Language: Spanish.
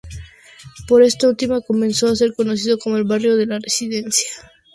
Por esta última, comenzó a ser conocido como el "barrio de la Residencia".